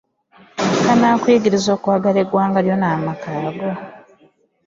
Kanaakuyigiriza okwagala eggwanga lyo n'amaka go.